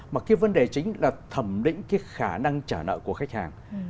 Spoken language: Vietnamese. mà cái vấn đề chính là thẩm định cái khả năng trả nợ của khách hàng